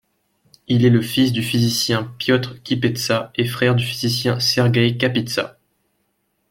Il est le fils du physicien Piotr Kapitsa et frère du physicien Sergueï Kapitsa.